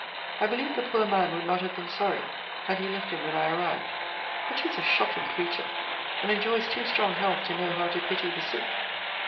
I believe the poor man would not have been sorry had he left him when I arrived; for 'tis a shocking creature, and enjoys too strong health to know how to pity the sick.